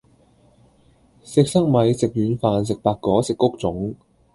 食塞米，食軟飯，食白果，食穀種